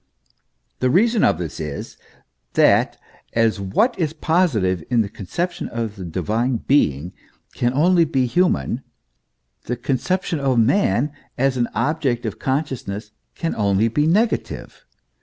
* The reason of this is, that as what is positive in the conception of the divine being can only be human, the conception of man, as an object of consciousness can only be negative.